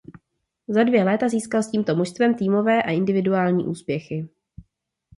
Za dvě léta získal s tímto mužstvem týmové a individuální úspěchy.